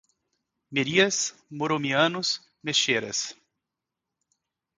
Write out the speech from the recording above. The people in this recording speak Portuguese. Merias, muromianos, meshcheras